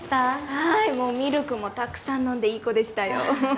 はいもうミルクもたくさん飲んでいい子でしたよ